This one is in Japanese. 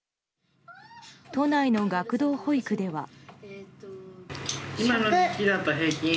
都内の学童保育では。